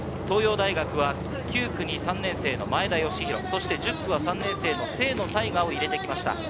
東洋大学は９区に３年生の前田義弘、１０区は３年生の清野太雅を入れてきました。